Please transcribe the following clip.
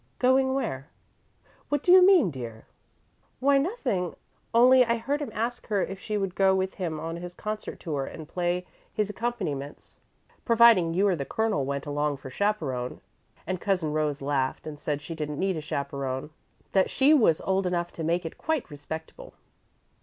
"Going where? What do you mean, dear?" "Why, nothing. Only I heard him ask her if she would go with him on his concert tour and play his accompaniments, providing you or the Colonel went along for chaperone, and Cousin Rose laughed and said she didn't need a chaperone that she was old enough to make it quite respectable."